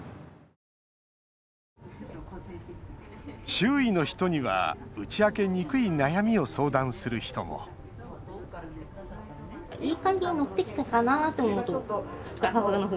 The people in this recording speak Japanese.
周囲の人には打ち明けにくい悩みを相談する人もはい。